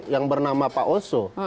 yang bernama pak oso